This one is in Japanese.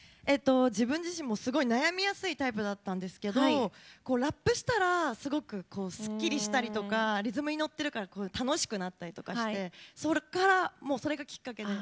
自分自身もすごい悩みやすいタイプだったんですけどラップしたらすごくすっきりしたりとかリズムに乗ってるから楽しくなったりしてそれから、それがきっかけで。